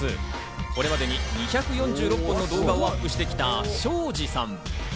これまでに２４６本の動画をアップしてきた庄司さん。